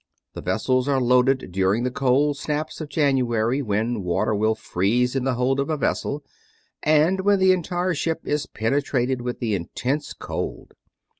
The vessels are loaded during the cold snaps of January, when water will freeze in the hold of a vessel, and when the entire ship is penetrated with the intensest cold.